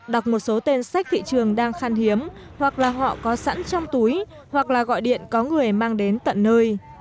đọc một số tên sách thị trường đang khan hiếm hoặc là họ có sẵn trong túi hoặc là gọi điện có người mang đến tận nơi